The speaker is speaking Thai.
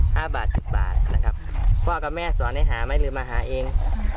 ห้าบาทสิบบาทนะครับพ่อกับแม่สอนให้หาไหมหรือมาหาเอง